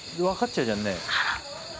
わかっちゃうじゃんね。